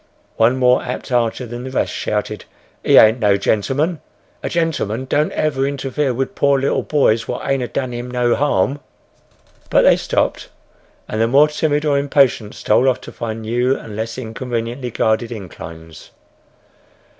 One more apt archer than the rest, shouted, "He ain't no gentleman—a gentleman don't never interfere wid poor little boys what ain't a done him no harm!" But they stopped, and the more timid or impatient stole off to find new and less inconveniently guarded inclines.